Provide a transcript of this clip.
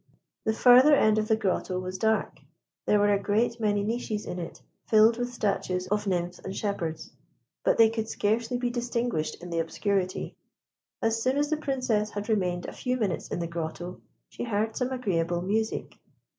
The further end of the grotto was dark; there were a great many niches in it, filled with statues of nymphs and shepherds, but they could scarcely be distinguished in the obscurity. As soon as the Princess had remained a few minutes in the grotto, she heard some agreeable music.